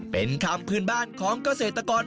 เป็นคำพื้นบ้านของเกษตรกร